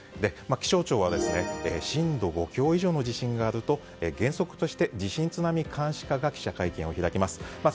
気象庁は震度５強以上の地震があると原則として地震津波監視課が会見を開きます。